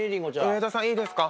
上田さんいいですか？